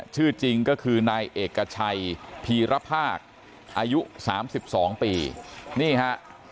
ชื่อจริงก็คือนายเอกชัยพีรภาคอายุสามสิบสองปีนี่ฮะ